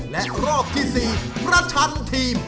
และรอบที่๔ประชันทีม